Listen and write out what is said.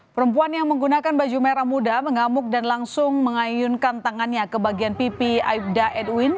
perempuan yang menggunakan baju merah muda mengamuk dan langsung mengayunkan tangannya ke bagian pipi aibda edwin